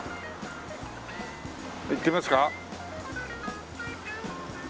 行ってみますか？